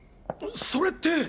それって。